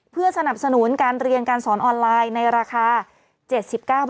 เพื่อสนับสนุนการเรียนการสอนออนไลน์ในราคา๗๙บาท